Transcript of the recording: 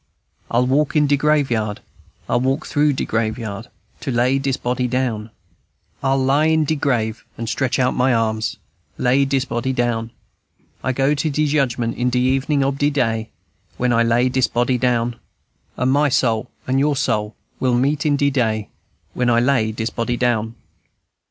I'll walk in de graveyard, I'll walk through de graveyard, To lay dis body down. I'll lie in de grave and stretch out my arms; Lay dis body down. I go to de Judgment in de evening ob de day When I lay dis body down; And my soul and your soul will meet in de day When I lay dis body down."